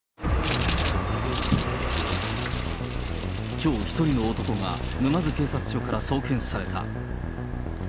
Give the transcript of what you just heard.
きょう、１人の男が沼津警察署から送検された。